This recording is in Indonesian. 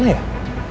dia sih mana ya